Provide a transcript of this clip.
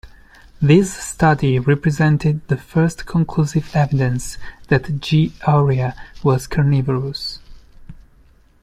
This study represented the first conclusive evidence that "G. aurea" was carnivorous.